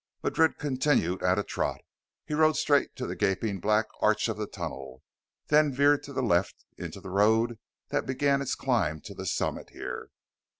Madrid continued at a trot. He rode straight to the gaping black arch of the tunnel, then veered to the left into the road that began its climb to the summit here.